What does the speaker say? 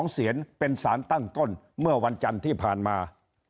เสียนเป็นสารตั้งต้นเมื่อวันจันทร์ที่ผ่านมา